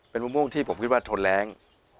เป็นมะม่วงที่ผมคิดว่าทนแรง